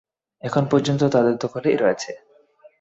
এখন পর্যন্ত তা তাদের দখলেই রয়েছে।